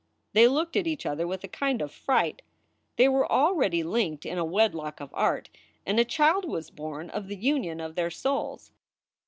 They looked at each other with a kind of fright. They were already linked in a wedlock of art, and a child was born of the union of their souls.